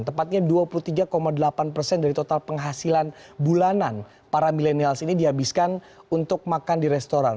tepatnya dua puluh tiga delapan persen dari total penghasilan bulanan para milenials ini dihabiskan untuk makan di restoran